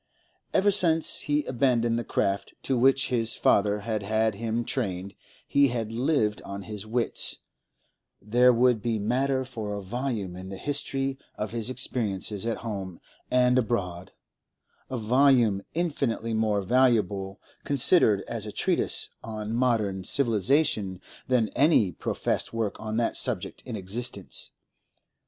Ever since he abandoned the craft to which his father had had him trained, he had lived on his wits; there would be matter for a volume in the history of his experiences at home and abroad, a volume infinitely more valuable considered as a treatise on modern civilisation than any professed work on that subject in existence.